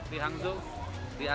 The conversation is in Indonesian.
di hangzhou di asean